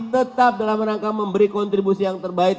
tetap dalam rangka memberi kontribusi yang terbaik